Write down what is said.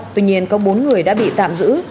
tuy nhiên có bốn người đã bị tạm giữ